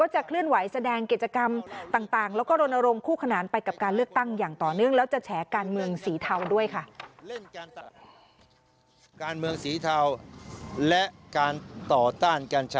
จะเคลื่อนไหวแสดงกิจกรรมต่าง